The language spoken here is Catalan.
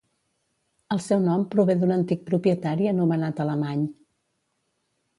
El seu nom prové d'un antic propietari anomenat Alemany.